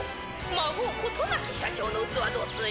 紛うことなき社長の器どすえ。